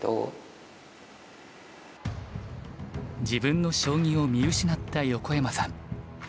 自分の将棋を見失った横山さん。